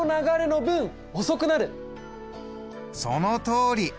そのとおり！